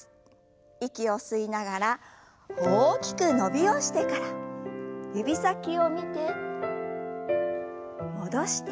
息を吸いながら大きく伸びをしてから指先を見て戻して。